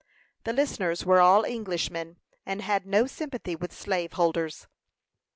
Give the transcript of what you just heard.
The listeners were all Englishmen, and had no sympathy with slave holders.